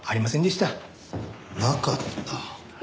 なかった？